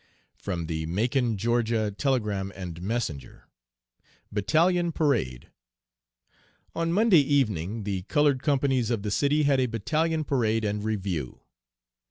(From the Macon (Ga.) Telegram and Messenger.) BATTALION PARADE. "On Monday evening the colored companies of the city had a battalion parade and review.